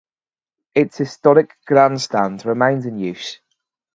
Its historic Grand Stand remains in use.